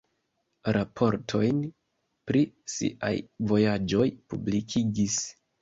Raportojn pri siaj vojaĝoj publikigis.